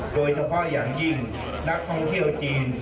โดยเฉพาะอย่างยิ่งนักท่องเที่ยวจีน